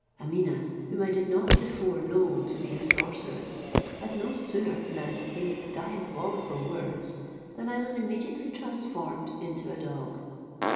Ameeneh, whom I did not before know to be a sorceress, had no sooner pronounced these diabolical words, than I was immediately transformed into a dog.